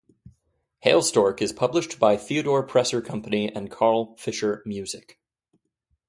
Hailstork is published by Theodore Presser Company and Carl Fischer Music.